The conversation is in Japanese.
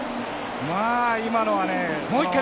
まあ今のはねその。